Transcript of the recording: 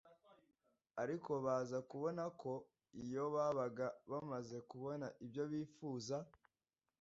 ariko baza kubona ko iyo babaga bamaze kubona ibyo bifuza,